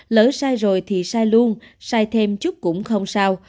lỡ sai rồi thì sai luôn sai thêm chút cũng không sao